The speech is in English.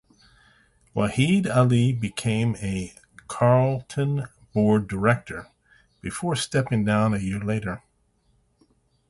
Waheed Alli became a Carlton board director before stepping down a year later.